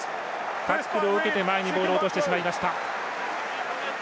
タックルを受けて、ボールを前に落としてしまいました。